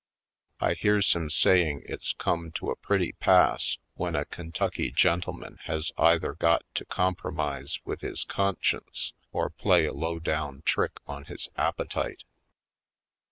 I hears him saying it's come to a pretty pass when a Kentucky gentleman has either got to compromise with his conscience or play a low down trick on his appetite.